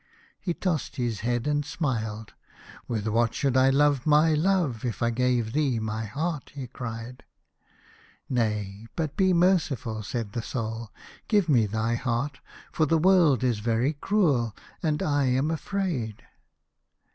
He tossed his head and smiled. "With what should I love my love if I gave thee my heart ?" he cried. "Nay, but be merciful," said his Soul: "give me thy heart, for the world is very cruel, and I am afraid."